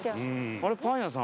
あれパン屋さん？